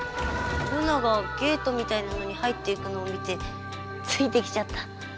ルナがゲートみたいなのに入っていくのを見てついてきちゃった。